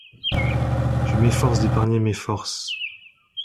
Je m’efforce d’épargner mes forces.